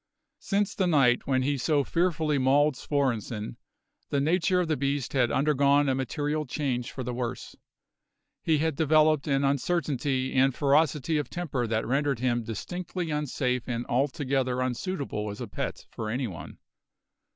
Since the night when he so fearfully mauled Svorenssen the nature of the beast had undergone a material change for the worse. He had developed an uncertainty and ferocity of temper that rendered him distinctly unsafe and altogether unsuitable as a pet for anyone.